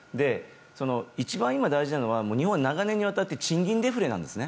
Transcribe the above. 一番、今大事なのは日本は長年にわたって賃金デフレなんですね。